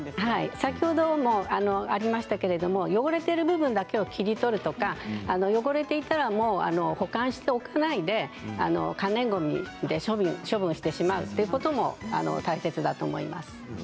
先ほどありましたけれど汚れている部分だけを切り取るとか汚れていたら、もう保管しておかないで可燃ごみで処分をするということも大切だと思います。